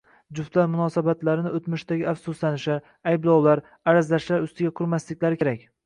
Juftlar munosabatlarini o‘tmishdagi afsuslanishlar, ayblovlar, arazlashlar ustiga qurmasliklari kerak.